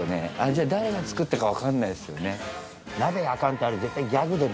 じゃ誰が作ったか分かんないっすよね？